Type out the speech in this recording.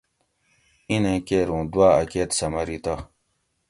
اِیں نیں کیر اُوں دُواۤ اکیت سہ مری تہ